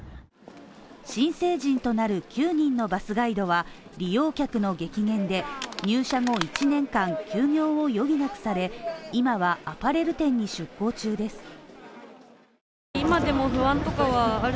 新成人となる９人のバスガイドは利用客の激減で入社後１年間休業を余儀なくされ、今はアパレル店に出向中です。